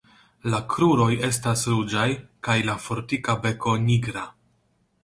La kruroj estas ruĝaj kaj la fortika beko nigra.